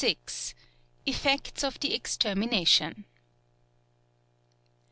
EFFECTS OF THE EXTERMINATION.